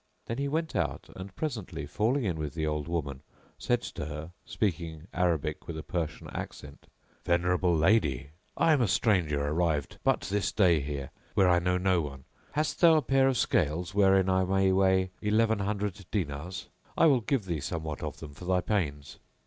Then he went out and presently, falling in with the old woman, said to her, speaking Arabic with a Persian accent, "Venerable lady,[FN#677] I am a stranger arrived but this day here where I know no one. Hast thou a pair of scales wherein I may weigh eleven hundred dinars? I will give thee somewhat of them for thy pains."